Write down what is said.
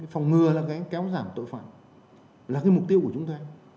phòng ngừa là cái kéo giảm tội phạm là cái mục tiêu của chúng ta